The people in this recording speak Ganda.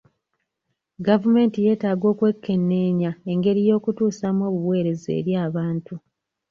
Gavumenti yetaaga okwekenneenya engeri y'okutusaamu obuweereza eri abantu.